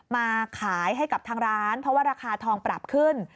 มาขายให้กับทางร้านเพราะว่าราคาทองปรับขึ้น